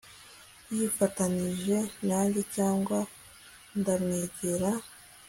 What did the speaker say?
Yifatanije nanjye cyangwa ndamwegera